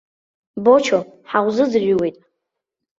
Бочо, ҳаузыӡырҩуеит.